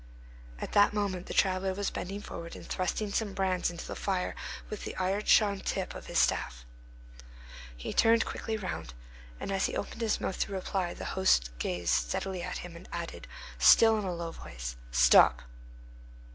At that moment the traveller was bending forward and thrusting some brands into the fire with the iron shod tip of his staff; he turned quickly round, and as he opened his mouth to reply, the host gazed steadily at him and added, still in a low voice: "Stop!